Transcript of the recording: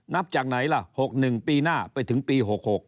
นับจากไหนล่ะ๖๑ปีหน้าไปถึงปี๖๖